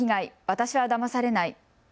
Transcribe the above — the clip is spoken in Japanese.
私はだまされない。